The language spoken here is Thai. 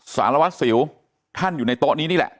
สารวัตรสิวท่านอยู่ในโต๊ะนี้นี่แหละ